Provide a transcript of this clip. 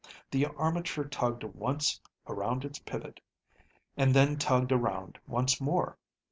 The armature tugged once around its pivot, and then tugged around once more.